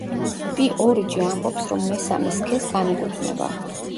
პი-ორიჯი ამბობს, რომ მესამე სქესს განეკუთვნება.